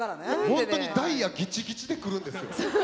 本当にダイヤギチギチで来るんですよ。